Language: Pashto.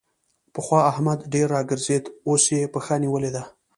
پخوا احمد ډېر راګرځېد؛ اوس يې پښه نيولې ده.